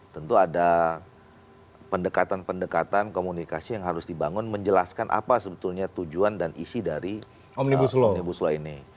tentu ada pendekatan pendekatan komunikasi yang harus dibangun menjelaskan apa sebetulnya tujuan dan isi dari omnibus law ini